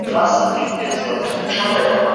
ملتونه چیري نوي ډیپلوماټیک اسناد ساتي؟